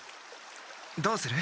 どうする？